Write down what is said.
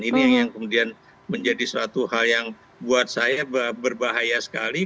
ini yang kemudian menjadi suatu hal yang buat saya berbahaya sekali